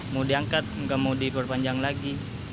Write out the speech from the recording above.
mau diangkat nggak mau diperpanjang lagi